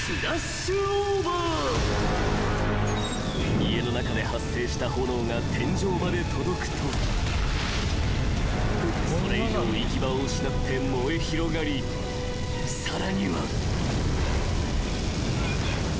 ［家の中で発生した炎が天井まで届くとそれ以上行き場を失って燃え広がりさらには］